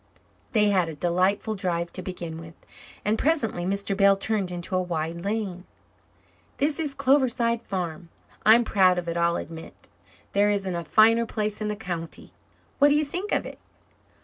They had a delightful drive to begin with, and presently Mr. Bell turned into a wide lane. "This is Cloverside Farm. I'm proud of it, I'll admit. There isn't a finer place in the county. What do you think of it?"